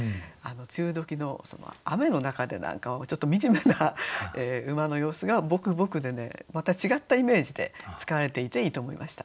梅雨時の雨の中で何かちょっと惨めな馬の様子が「ぼくぼく」でねまた違ったイメージで使われていていいと思いました。